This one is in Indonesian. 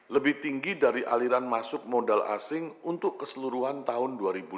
lebih tinggi dari aliran masuk modal asing untuk keseluruhan tahun dua ribu lima belas